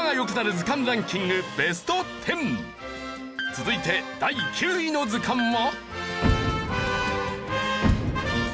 続いて第９位の図鑑は。